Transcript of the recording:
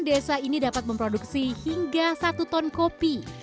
desa ini dapat memproduksi hingga satu ton kopi